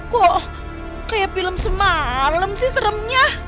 kok kayak film semalam sih seremnya